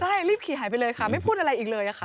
ใช่รีบขี่หายไปเลยค่ะไม่พูดอะไรอีกเลยค่ะ